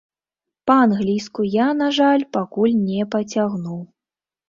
Па-англійску я, на жаль, пакуль не пацягну.